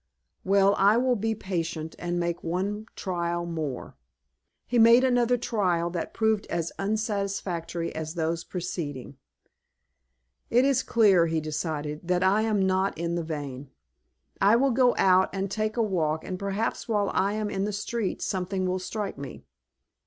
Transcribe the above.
Well, I will be patient, and make one trial more." He made another trial, that proved as unsatisfactory as those preceding. "It is clear," he decided, "that I am not in the vein. I will go out and take a walk, and perhaps while I am in the street something will strike me."